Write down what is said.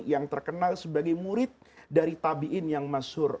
yang terkenal sebagai murid dari tabiin yang masyur